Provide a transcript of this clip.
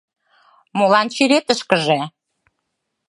Молан черетышкыже.